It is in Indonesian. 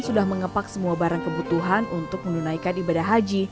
sudah mengepak semua barang kebutuhan untuk menunaikan ibadah haji